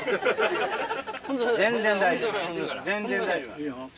全然大丈夫。